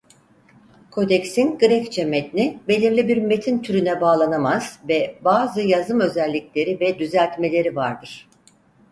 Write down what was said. Kodeksin Grekçe metni belirli bir metin türüne bağlanamaz ve bazı yazım özellikleri ve düzeltmeleri vardır.